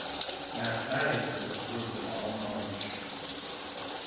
Mathematics is the source of all knowledge.